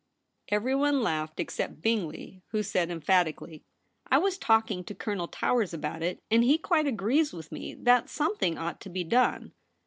Everyone laughed except Bingley, who said emphatically :' I was talking to Colonel Towers about it, and he quite agrees with me that something ought to be done.'